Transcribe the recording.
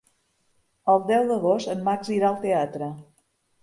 El deu d'agost en Max irà al teatre.